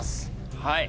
はい。